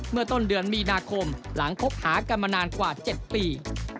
เมื่อต้นเดือนมีนาคมหลังคบหากันมานานกว่า๗ปี